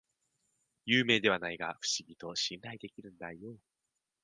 有名ではないが不思議と信頼できるんだよ